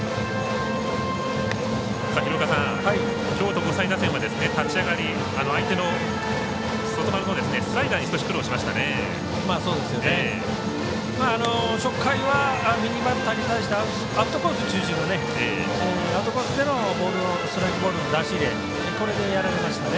京都国際打線は立ち上がり相手の外丸のスライダーに少し苦労しましたね。